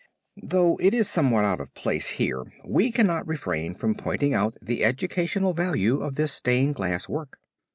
Though it is somewhat out of place here we cannot refrain from pointing out the educational value of this stained glass work.